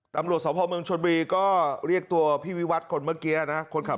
ตำรวจสมครบพมช่วงบีก็เรียกตัวพี่วิวัฒน์เขาคือเมื่อกี๊นะครับ